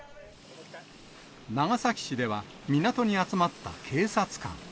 長崎市では、港に集まった警察官。